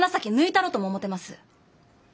たろとも思てます。